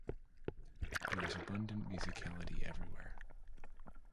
There is abundant musicality elsewhere.